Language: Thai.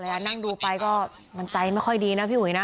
นั่งดูไปก็มันใจไม่ค่อยดีนะพี่อุ๋ยนะ